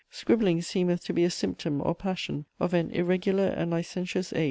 Scribbling seemeth to be a symptome or passion of an irregular and licentious age."